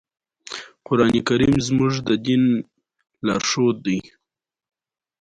اتمه پوښتنه د ادارې تعریف او ډولونه دي.